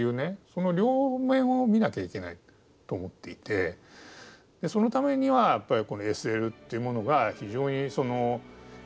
その両面を見なきゃいけないと思っていてそのためにはやっぱりこのＳＬっていうものが非常に有力なというかね